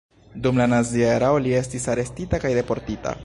Dum la nazia erao li estis arestita kaj deportita.